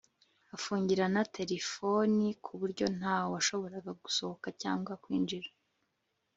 afungirana tirifoni ku buryo nta washoboraga gusohoka cyangwa kwinjira